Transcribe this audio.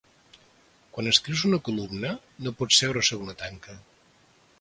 Quan escrius una columna, no pots seure sobre una tanca.